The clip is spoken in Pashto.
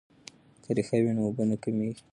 که ریښه وي نو اوبه نه کمیږي.